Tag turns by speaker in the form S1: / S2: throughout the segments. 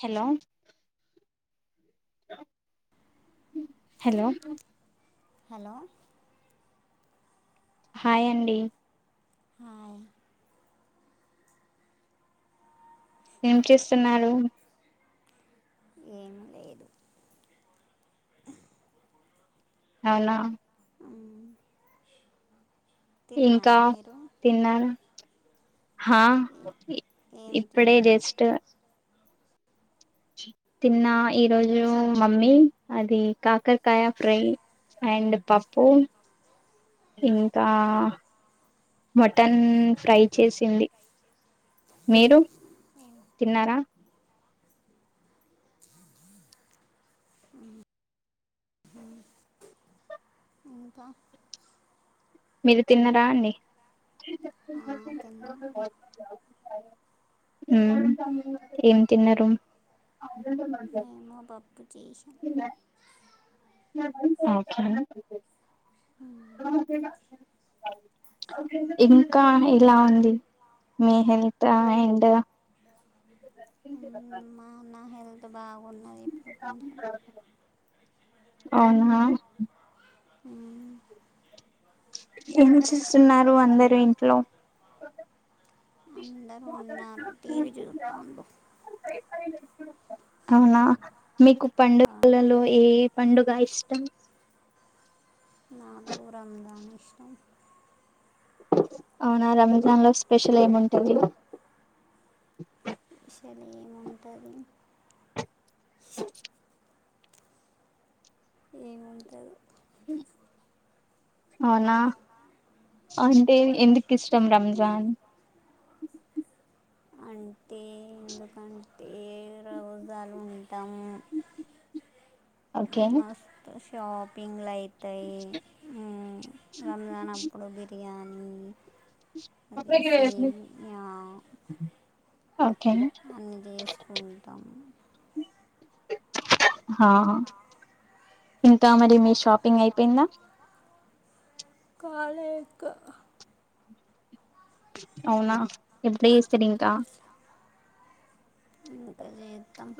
S1: Hello hello
S2: hello
S1: hi అండి
S2: hi
S1: ఏం చేస్తున్నారు
S2: ఏమి లేదు
S1: అవునా
S2: మ్మ్.
S1: ఇంకా
S2: తిన్నారా మీరు
S1: తిన్నార హా
S2: ఏం
S1: ఇప్పుడే
S2: తిన్నా
S1: జస్ట్ తిన్న ఈరోజు మమ్మీ అది కాకరకాయ ఫ్రై అండ్ పప్పు ఇంకా మటన్ ఫ్రై చేసింది మీరు తిన్నారా
S2: ఇంకా
S1: మీరు తిన్నరా అండి
S2: ఆ, తిన్నా
S1: ఉమ్ ఏం తిన్నారు అద మన్న
S2: మేము పప్పు చేసాం
S1: [unintelligible] ఓకే ఇంకా ఎలా ఉంది నీ హెల్త్ అండ్
S2: అంత బాగున్న ఇప్పుడు కొంచెం
S1: అవునా
S2: ఉం
S1: ఎం చెస్తున్నారు అందరు ఇంట్లో
S2: అందరూ ఉన్నారు టీవీ చూస్తాండ్లు
S1: అవునా మీకు పండుగలలో ఏ పండుగ ఇష్ మ్
S2: నాకు రంజాన్ ఇష్టం
S1: అవునా రంజాన్ లో స్పెషల్ ఏముంటది
S2: ఏం ఉంటది ఏముంటదు
S1: ఉ అవునా అంటే ఎందుకు ఇష్టం రంజాన్
S2: అంటే ఎందుకంటే రోజాలుంటాము
S1: ఓకే
S2: మస్తు షాపింగ్లు అయితాయి రంజాన్ అపుడు బిర్యానీ అది సేమ్యా
S1: ఓకే
S2: అన్నీ చేసుకుంటాం
S1: ఆహ ఎంత అ మరి మీష్ షాపింగ్ అయిపోయిందా
S2: కాలె ఇంకా
S1: అవునా ఎప్పుడస్తరింకా
S2: ఇంకా చేత్తము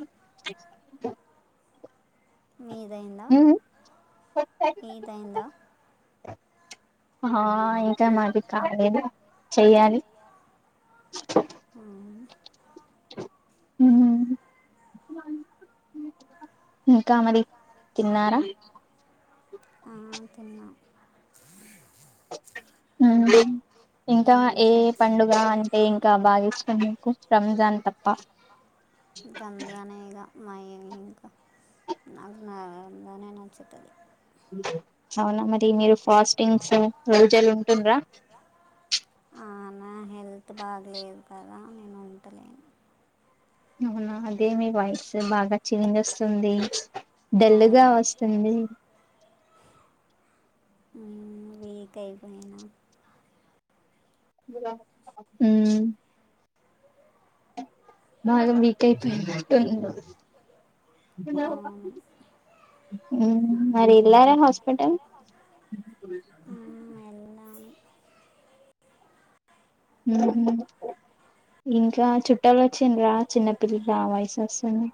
S2: మీదైందా
S1: మ్మ్
S2: మీదైందా
S1: ఆ ఇంకా మాకి కాలేదు చెయ్యాలి
S2: ఊ
S1: హు ఇంకా మరి తిన్నారా
S2: ఆహా తిన్న
S1: ఉహు ఏ ఇంకా
S2: ఏం
S1: ఏ
S2: చేస్తాం
S1: ఏ పండుగ అంటే ఇంకా బాగ ఇష్టం రంజాన్ తప్ప
S2: రంజానే ఇగా మా ఇంకా నాకు రంజానే నచ్చుతది
S1: అవునా మరి మీరు ఫాస్టింగ్స్ రోజులు ఉంటుండ్రా
S2: నా హెల్త్ బాగలేదు కదా నేను ఉంటలేను
S1: అవునా అదే మీ వాయిస్ బాగా చేంజ్ వస్తుంది ఢల్లుగా
S2: అవును
S1: వస్తుంది
S2: వీక్ అయిపోయినా
S1: [unintelligible] హు బాగా వీక్ అయిపోయినట్టున్నావ్
S2: అవును
S1: హు మరి ఎల్లార హస్పి పటల్
S2: వెళ్ళాను
S1: [unintelligible] ఇంకా చుట్టాలు వచ్చిండ్రా చిన్నపిల్లల వాయిస్ వస్తుంది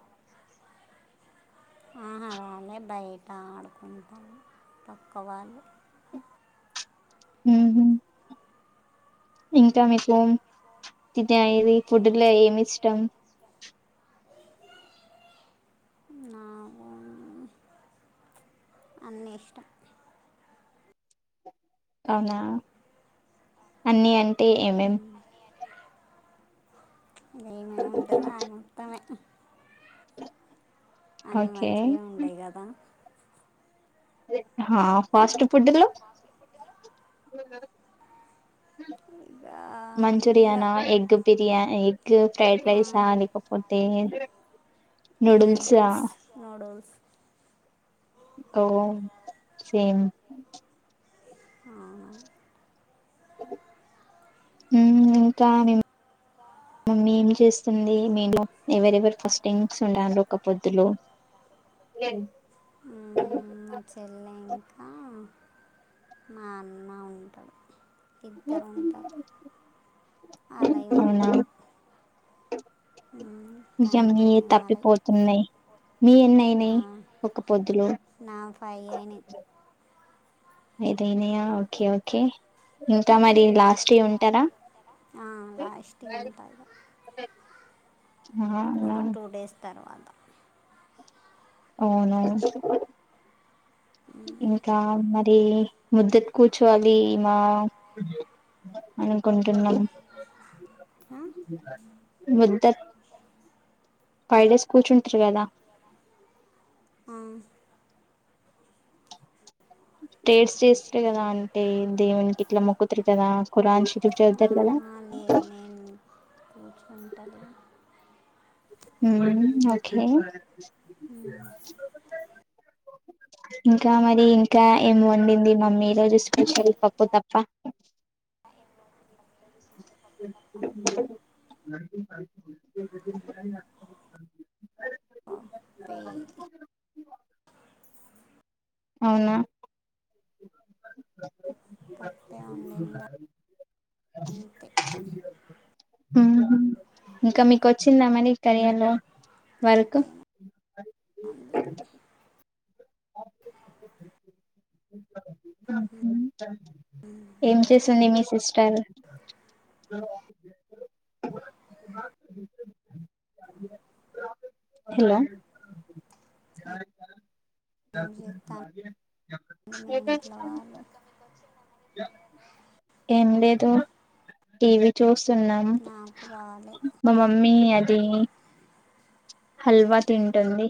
S2: ఆహా రాలే బయట ఆడుకుంటారు పక్క వాళ్ళు
S1: ఉహు ఇంకా మీకు తింట్రా ఇవి ఫుడ్ లో ఏమి ఇష్టం
S2: నాకు అన్నీ ఇష్టం
S1: అవునా అన్ని అంటే ఏమే ఏమే
S2: ఇగ ఏమేమంటాయో అది మొత్తం మే అన్ని
S1: ఓకే
S2: మంచిగా ఉంటాయి కదా
S1: ఆ ఫాస్ట్ ఫుడ్ లో
S2: ఇగ
S1: మంచూరియానా ఎగ్ బిర్యా ఎగ్ ఫ్రైడ్
S2: ఆ,
S1: రైస్ లేకపోతే నూడిల్సా
S2: నూడుల్స్ నూడుల్
S1: ఓ సేమ్
S2: ఆహా
S1: హు ఇంకా నేను మమ్మీ ఏం చేస్తుంది మీ ఇంట్లో ఎవరెవరు ఫాస్టింగ్ ఉంటారు ఒక పొద్దులు ఎగ్
S2: హు మా చెల్లె ఇంకా మా అన్న ఉంటాడు ఇద్దరు ఉంటారు ఆలయం
S1: నిజంగానే
S2: కంటిన్యూ అవ్వాలి
S1: తప్పిపోతున్నాయి మీయి ఎన్ని అయినాయి ఒక పొద్దులు
S2: నా ఫైవ్ అయినాయి
S1: ఐదు అయినయా ఓకే ఓకే ఇంకా మరి లాస్ట్
S2: లాస్ట్ ఈ ఉంటారా ఆ లాస్ట్ ఈ ఉంటా ఇగ
S1: అవునా
S2: తర్వాతా
S1: అవును ఇంకా మా అది ముద్దతు కూర్చోవాలి మా అనుకుంటున్నాం
S2: ఆ?
S1: ముద్ద ఫైవ్ డేస్ కూర్చుంటారు కదా
S2: ఔ
S1: ప్రేయర్స్ చేస్తరు కదా అంటే దేవునికి ఇట్లా మొక్కుతురు కదా కురాన్ షు
S2: అహా లేే నేను కూర్చుంటాలే
S1: ఊ ఓకే
S2: అ
S1: ఇంకా మరి ఇంకా ఏం వండింది మమ్మీ రోజు స్పెషల్ పప్పు తప్ప
S2: పేయ్
S1: అవునా
S2: పప్పే ఉండింది అంతే
S1: ఇంకా మీకు వచ్చిందా మరి కెరియర్ లో
S2: ఇంకేం ఉండలే
S1: అ
S2: ఉమ్,
S1: ఏం చేసింది మీ సిస్టర్ హలో
S2: ఏం చేస్తాను మీ ఇంట్లో వాళ్ళు
S1: [unintelligible] ఏం లేదు టీవి చూస్ సున్నం
S2: నాకు రాలే
S1: మా మమ్మీ అది హల్వా తింటుంది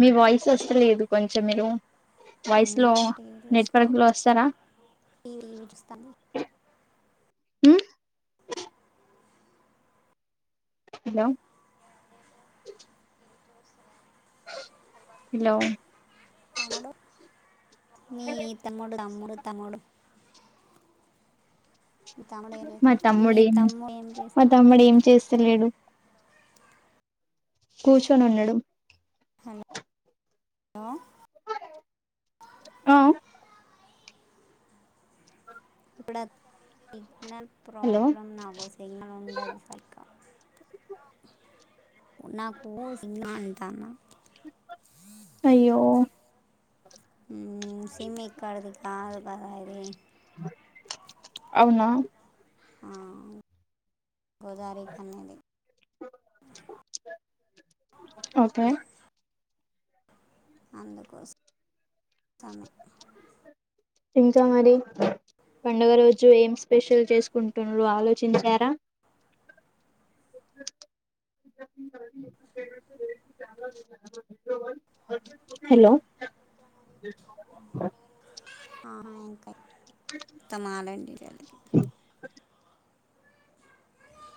S1: మీ వాయిస్ వస్తలేదు కొంచెం మీరు వాయిస్ లో
S2: ఉన్నాము టీవీ చూస్తా
S1: నెట్వర్క్ లో వస్తారా
S2: టీవీలు [unintelligible]
S1: ఉమ్ హలో హలో
S2: తమ్ముడు మీ తమ్ముడు తమ్ముడు తమ్ముడు మీ తమ్ముడు ఏం
S1: మా
S2: చేస్తాడు మీ
S1: తమ్ముడు ఏమి
S2: తమ్ముడు ఏం
S1: మా
S2: చేస్తాడు
S1: తమ్ముడు ఏం చేస్తలేడు కూర్చొని ఉన్నాడు
S2: హలో
S1: ఆ
S2: ఇప్పుడు సిగ్నల్
S1: హలో
S2: ప్రాబ్లమ్ నాకు సిగ్నల్ ఉండదు సరిగా నాకు సినిమా అంటానా.
S1: అయ్యో
S2: సిమ్ ఇక్కడిది కాదు కదా అది
S1: అవునా
S2: ఆ గోదారి కనేది
S1: ఓకే
S2: అందుకోసం సమే
S1: ఇంకా మారి పండుగ రోజు ఏం స్పెషల్ చేసుకుంటుర్రు ఆలోచించారా హలో
S2: ఆ ఇంకా ఉత్తమలుండిలిగి